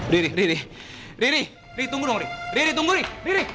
ri ri ri ri ri ri tunggu dong ri ri ri tunggu ri ri ri